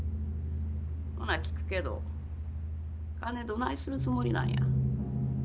ほな聞くけど金どないするつもりなんや？